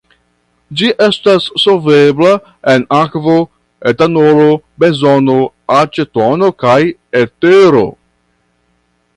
Ĝi estas solvebla en akvo, etanolo, benzeno, acetono kaj etero.